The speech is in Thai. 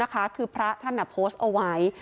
ก็พระท่านโพสต์ออกไว้